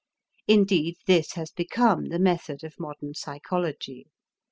Indeed this has become the method of modern psychology.